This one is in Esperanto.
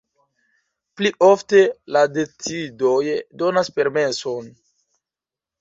Pli ofte la decidoj donas permeson.